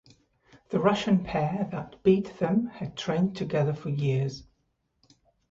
The Russian pair that beat them had trained together for years.